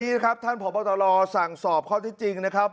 นี่นะครับท่านผอบตรสั่งสอบข้อที่จริงนะครับ